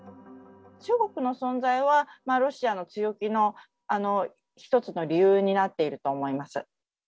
中国の存在は、ロシアの強気の一つの理由になっていると思います。